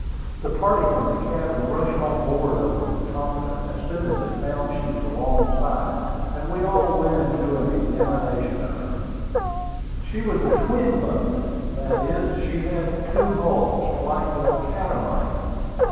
The party from the cabin rushed on board of the Wetumpka as soon as they found she was alongside, and we all went into an examination of her. She was a "twin boat:" that is, she had two hulls, like a "catamaran."